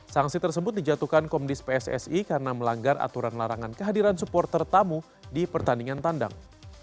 sanksi tersebut dijatuhkan komdis pssi karena melanggar aturan larangan kehadiran supporter tamu di pertandingan tandang